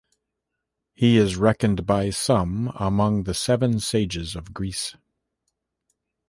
He is reckoned by some among the Seven Sages of Greece.